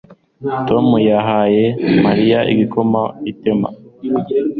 Tom yahaye Mariya igikoma ku itama